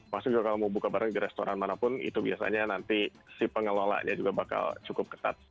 maksimum kalau mau buka bareng di restoran mana pun itu biasanya nanti si pengelola juga bakal cukup ketat